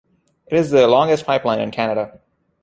It is the longest pipeline in Canada.